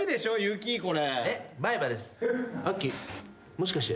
もしかして。